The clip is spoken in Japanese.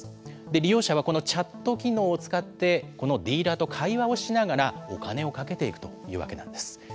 利用者はこのチャット機能を使ってこのディーラーと会話をしながらお金を賭けていくというわけなんです。